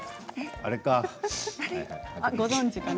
あれかな？